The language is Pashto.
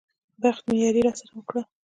بخت مې ياري راسره وکړه.